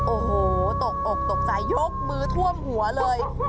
โอ้โหตกอกตกใจยกมือท่วมหัวเลย